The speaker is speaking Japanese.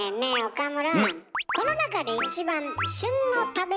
岡村。